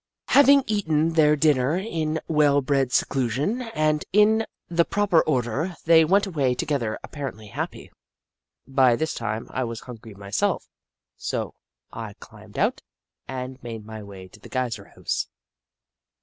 Having eaten their dinner in well bred seclusion and in the proper 74 The Book of Clever Beasts order, they went away together, apparently happy. By this time I was hungry myself, so I climbed out and made my way to the Geyser House.